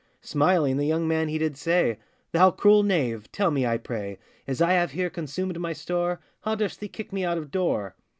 Smiling, the young man he did say, 'Thou cruel knave! tell me, I pray, As I have here consumed my store, How durst thee kick me out of door?